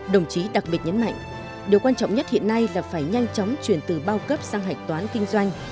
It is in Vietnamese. đồng chí đặc biệt nhấn mạnh điều quan trọng nhất hiện nay là phải nhanh chóng chuyển từ bao cấp sang hạch toán kinh doanh